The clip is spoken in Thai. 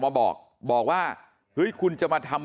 มันต้องการมาหาเรื่องมันจะมาแทงนะ